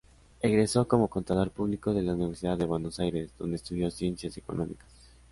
Egresó como Contador Público de la Universidad de Buenos Aires, donde estudió Ciencias Económicas.